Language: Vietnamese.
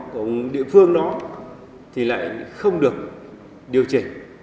của địa phương đó thì lại không được điều chỉnh